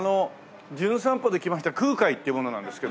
『じゅん散歩』で来ました空海っていう者なんですけども。